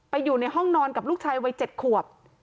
อยู่ในห้องนอนกับลูกชายวัย๗ขวบ